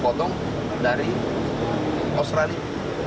potong dari australia